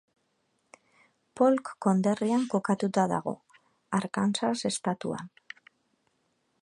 Polk konderrian kokatuta dago, Arkansas estatuan.